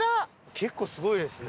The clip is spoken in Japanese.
結構すごいですね。